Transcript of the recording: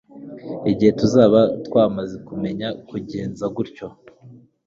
Igihe tuzaba twamaze kumenya kugenza dutyo,